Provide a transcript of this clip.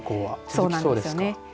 そうなんですね。